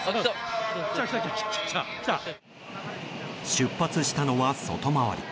出発したのは外回り。